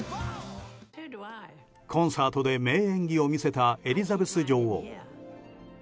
コンサートで名演技を見せたエリザベス女王。